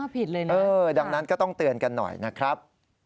ผิดเลยนะดังนั้นก็ต้องเตือนกันหน่อยนะครับ